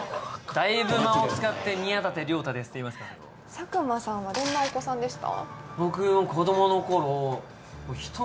佐久間さんはどんなお子さんでした？